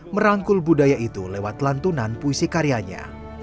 merangkul budaya itu lewat lantunan puisi karyanya